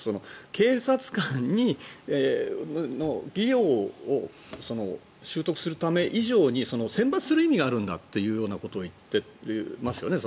警察官の技量を習得する以上に選抜する意味があるんだということを言っていますよね。